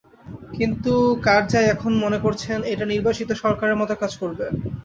কিন্তু কারজাই এখন মনে করছেন, এটি নির্বাসিত সরকারের মতো কাজ করবে।